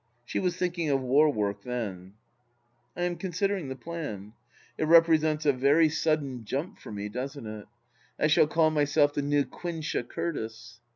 She was thinking of war work then. ... I am considering the plan. It represents a very sudden THE LAST DITCH 243 jump for me, doesn't it 7 I shall call myself the new Quintia Curtia.